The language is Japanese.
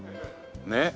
ねっ。